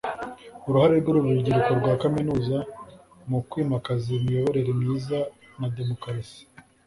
Uruhare rw’urubyiruko rwa za kaminuza mu kwimakaza imiyoborere myiza na demokarasi